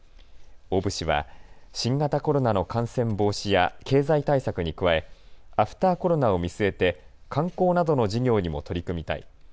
大部氏は新型コロナの感染防止や経済対策に加えアフターコロナを見据えて観光などの事業にも取り組みたい。